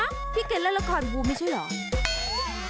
อ้าพี่เกร็ดเล่าละครวูมไม่ใช่เหรอ